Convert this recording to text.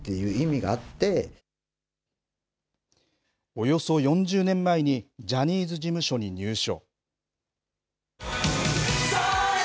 およそ４０年前にジャニーズ事務所に入所。